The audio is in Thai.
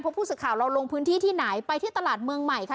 ผู้สื่อข่าวเราลงพื้นที่ที่ไหนไปที่ตลาดเมืองใหม่ค่ะ